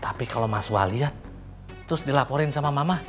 tapi kalau mas waliat terus dilaporin sama mama